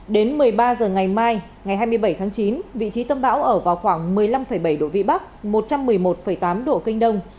đến một mươi ba h ngày mai ngày hai mươi bảy tháng chín vị trí tâm bão ở vào khoảng một mươi năm bảy độ vĩ bắc một trăm một mươi một tám độ kinh đông